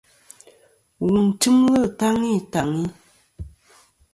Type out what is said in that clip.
Wu tɨmlɨ taŋi taŋi.